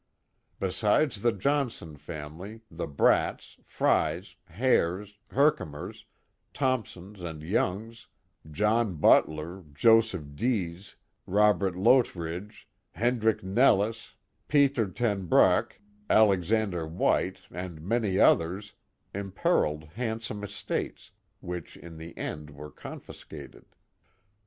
Besides the Johnson family, the Bradts, Freys, Hares, Herkimers, Thompsons and Youngs, John Butler, Joseph 230 The Mohawk Valley Dease, Robert Loiridge, Hendrick Nelles, Peter Ten Broeck, Alex ander White, and manj others, imperilled handsome estates, which in the end were confiscated.